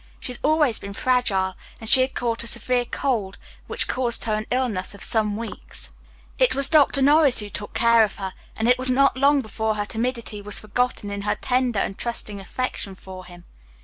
She had always been fragile, and she had caught a severe cold which caused her an illness of some weeks. It was Dr. Norris who took care of her, and it was not long before her timidity was forgotten in her tender and trusting affection for him.